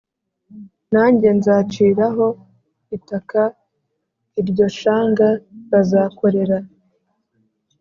nanjye nzaciraho itaka iryo shanga bazakorera